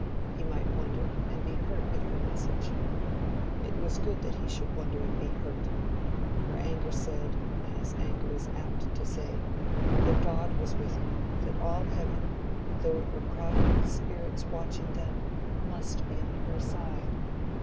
He might wonder and be hurt at her message. It was good that he should wonder and be hurt. Her anger said, as anger is apt to say, that God was with her—that all heaven, though it were crowded with spirits watching them, must be on her side.